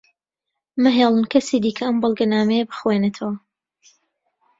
مەهێڵن کەسی دیکە ئەم بەڵگەنامەیە بخوێنێتەوە.